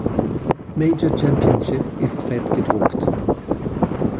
Major Championship ist fett gedruckt!